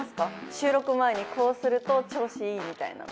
収録前にこうすると調子いいみたいなの。